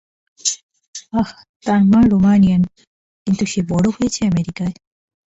আহহ, তার মা রোমানিয়ান কিন্তু সে বড় হয়েছে আমেরিকায়।